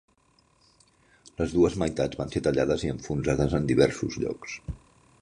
Les dues meitats van ser tallades i enfonsades en diversos llocs.